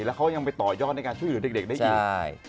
แล้วเขายังไปต่อยอดในการช่วยเหลือเด็กได้อีก